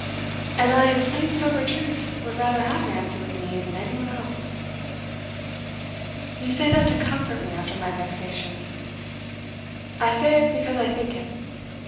And I, in plain sober truth, would rather have Nancy with me than anyone else.' 'You say that to comfort me after my vexation.' 'I say it because I think it.